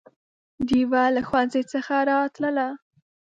ډېوه له ښوونځي څخه راتلله